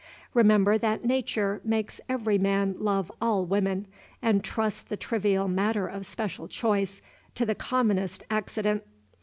Remember that Nature makes every man love all women, and trusts the trivial matter of special choice to the commonest accident.